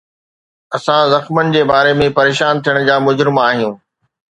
اسان زخمن جي باري ۾ پريشان ٿيڻ جا مجرم آهيون